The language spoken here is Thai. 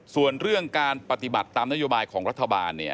ส่วนเรื่องการปฏิบัติตามนโยบายของรัฐบาล